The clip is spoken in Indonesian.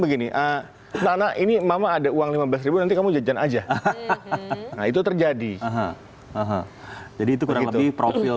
anak anak ini mama ada uang lima belas nanti kamu jajan aja itu terjadi jadi itu kurang lebih profil